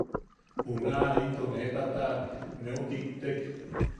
Junaʼa into nee tataʼak neu kiktek.